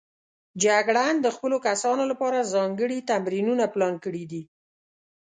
جګړن د خپلو کسانو لپاره ځانګړي تمرینونه پلان کړي دي.